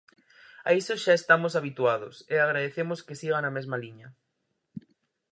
A iso xa estamos habituados, e agradecemos que siga na mesma liña.